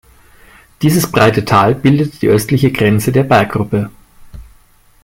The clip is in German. Dieses breite Tal bildet die östliche Grenze der Berggruppe.